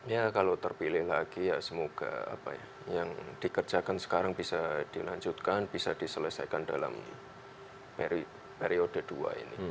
ya kalau terpilih lagi ya semoga apa ya yang dikerjakan sekarang bisa dilanjutkan bisa diselesaikan dalam periode dua ini